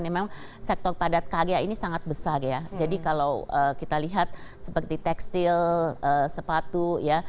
memang sektor padat karya ini sangat besar ya jadi kalau kita lihat seperti tekstil sepatu ya